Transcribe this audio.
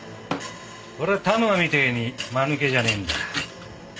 俺は田沼みてえにまぬけじゃねえんだ。